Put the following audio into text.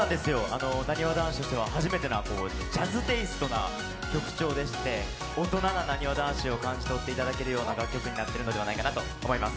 なにわ男子としては初めてなジャズテイストな曲調でして、大人ななにわ男子を感じとってもらえる楽曲になっているのではないかと思います。